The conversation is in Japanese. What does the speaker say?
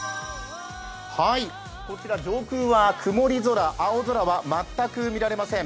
こちら上空は曇り空青空は全く見られません。